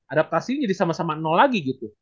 adaptasinya jadi sama sama nol lagi gitu